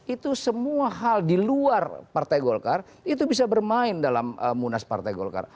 itu semua hal di luar partai golkar itu bisa bermain dalam munas partai golkar